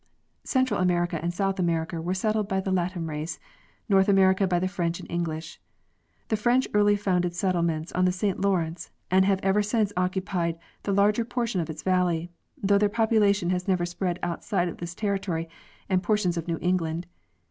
Central America and South America were settled by the Latin race, North America by the French and English.. The French early founded settlements, on the Saint Lawrence, and have ever since occupied the larger portion of its valley, though their population has never spread outside of this territory and por tions of New England.